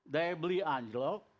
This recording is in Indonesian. daya beli anjlok